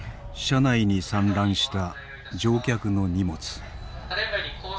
車内に散乱した乗客の荷物。